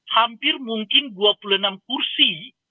hampir mungkin dua puluh enam kursi